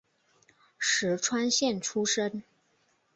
石川县出身。